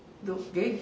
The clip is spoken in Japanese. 元気？